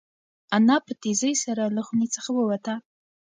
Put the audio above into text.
انا په تېزۍ سره له خونې څخه ووته.